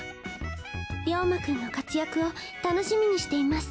「リョーマくんの活躍を楽しみにしています。